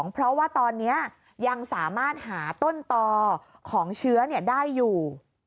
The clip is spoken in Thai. เพราะว่าตอนนี้ยังสามารถหาต้นต่อของเชื้อได้อยู่